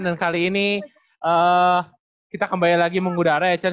dan kali ini kita kembali lagi mengudara ya cen